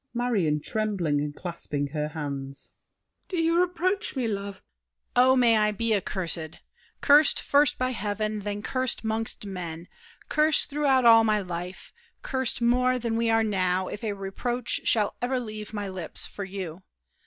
MARION (trembling and clasping her hands). Do you reproach me, love? DIDIER. Oh, may I be accursed! Cursed first by Heaven, Then cursed 'mongst men: cursed throughout all my life; Cursed more than we are now, if a reproach Shall ever leave my lips for you!